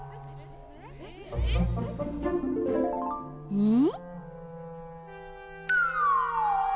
うん？